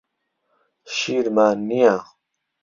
شیرمان نییە.